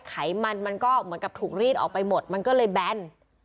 ไขมันมันก็เหมือนกับถูกรีดออกไปหมดมันก็เลยแบน